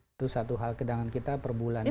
itu satu hal kedangan kita perbulan ini